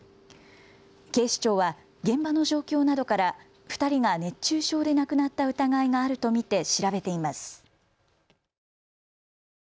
警視庁は現場の状況などから２人が熱中症で亡くなった疑いがあると見て調べています。